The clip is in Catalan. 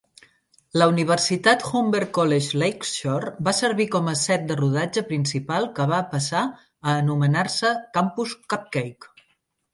La universitat Humber College Lakeshore va servir com a set de rodatge principal, que va passar a anomenar-se Campus Cupcake.